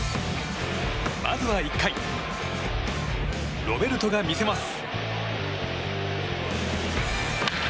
まずは１回ロベルトが見せます。